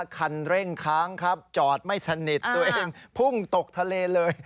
คันเร่งค้างครับจอดไม่สนิทตัวเองพุ่งตกทะเลเลย